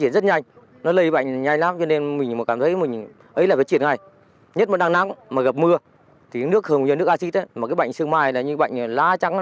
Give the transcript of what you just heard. chắc chắn mà rơi vào nếu mà phải tầm bốn tấn